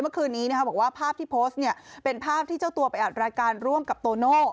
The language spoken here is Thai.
เมื่อคืนนี้บอกว่าภาพที่โพสต์เป็นภาพที่เจ้าตัวไปอัดรายการร่วมกับโตโน่